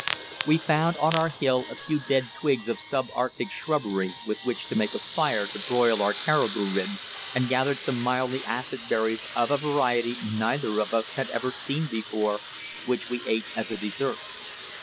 We found on our hill a few dead twigs of sub Arctic shrubbery with which to make a fire to broil our caribou ribs, and gathered some mildly acid berries of a variety neither of us had ever seen before, which we ate as a dessert.